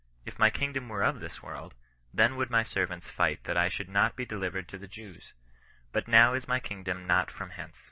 If my kingdom were of this world, then would my servants fight that I should not be delivered to the Jews : but now is my kingdom not from hence."